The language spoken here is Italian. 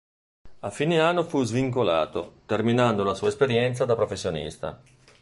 A fine anno fu svincolato, terminando la sua esperienza da professionista.